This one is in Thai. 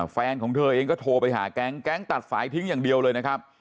แฟนของเธอเองก็โทรไปหาแก๊งแก๊งตัดสายทิ้งอย่างเดียวเลยนะครับ